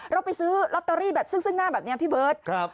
เราไปซื้อล็อตเตอรี่แบบซึ่งซึ่งหน้าแบบเนี้ยพี่เบิร์ทครับ